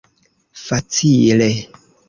facile